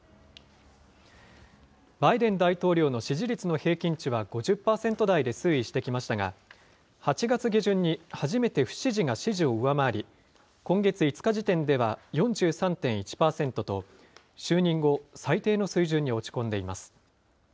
バイデン大統領の支持率の平均値は、５０％台で推移してきましたが、８月下旬に初めて不支持が支持を上回り、今月５日時点では４３．１％と、就任後、最低の水準に落ち込んでいます。